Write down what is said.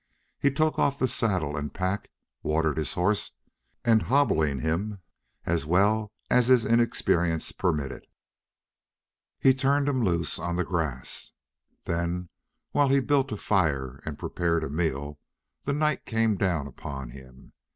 He took off the saddle and pack, watered his horse, and, hobbling him as well as his inexperience permitted, he turned him loose on the grass. Then while he built a fire and prepared a meal the night came down upon him.